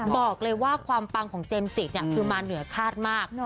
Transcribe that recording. บอกเลยว่าความปังของเจมส์จิคือมาเหนือคาดมาก